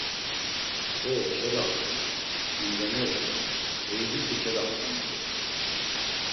“Ho kelaxt̆u. Mundeneri… Eyubiti kelaxt̆u mondo.”